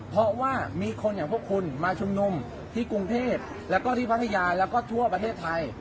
เพราะว่ามีคนอย่างพวกคุณมาชุมนุมที่กรุงเทพแล้วก็ที่พัทยาแล้วก็ทั่วประเทศไทย